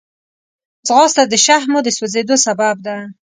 ځغاسته د شحمو د سوځېدو سبب ده